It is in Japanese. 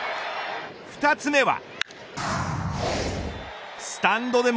２つ目は。